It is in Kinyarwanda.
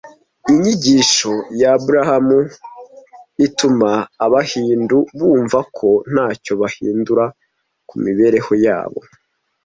Inyigisho ya abulahamu ituma Abahindu bumva ko nta cyo bahindura ku mibereho yabo r